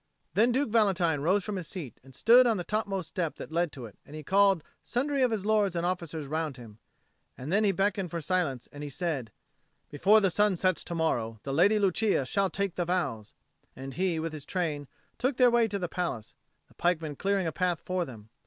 Then Duke Valentine rose from his seat and stood on the topmost step that led to it, and he called sundry of his lords and officers round him, and then he beckoned for silence, and he said, "Before the sun sets to morrow, the Lady Lucia shall take the vows;" and he, with his train, took their way to the palace, the pikemen clearing a path for them.